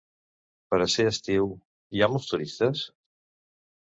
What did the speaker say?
Per a ser estiu... hi ha molts turistes?